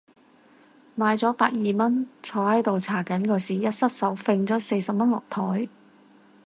買咗百二蚊，坐喺度搽緊嗰時一失手揈咗四十蚊落枱